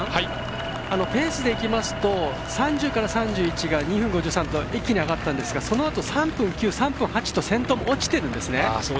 ペースでいきますと３０から３１が２分５３と一気に上がったんですがそのあと３分９、３分８と先頭も落ちているんですね。